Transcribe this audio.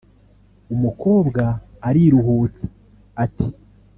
umukobwa ariruhutsa ati